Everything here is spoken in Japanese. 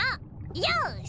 よし！